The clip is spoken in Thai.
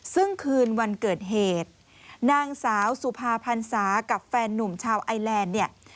ซึ่งคืนวันเกิดเหตุนางสาวสุภาพันษากับแฟนนุ่มชาวไอแลนด์เนี่ย